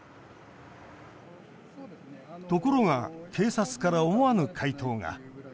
ところが、警察から思わぬ回答が。